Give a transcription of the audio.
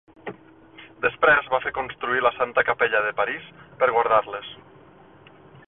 Després va fer construir la Santa Capella de París per guardar-les.